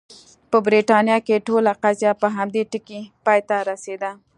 په برېټانیا کې ټوله قضیه په همدې ټکي پای ته رسېده.